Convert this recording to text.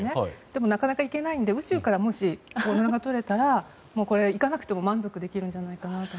でもなかなか行けないから宇宙からオーロラが撮れたら行かなくても満足できるんじゃないかなと。